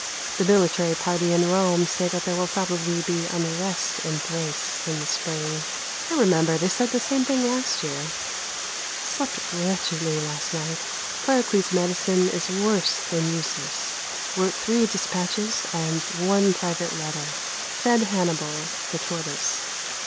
The military party in Rome say that there will probably be unrest in Thrace in the spring. I remember they said the same thing last year. Slept wretchedly last night. Claricles' medicine is worse than useless. Wrote three despatches and one private letter. Fed Hannibal, the tortoise.